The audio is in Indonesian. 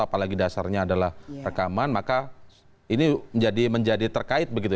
apalagi dasarnya adalah rekaman maka ini menjadi terkait begitu